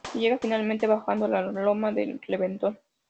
Se llega finalmente bajando la loma del Reventón.